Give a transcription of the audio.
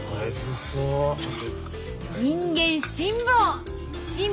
人間辛抱！